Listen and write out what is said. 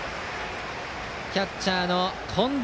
キャッチャーの近藤。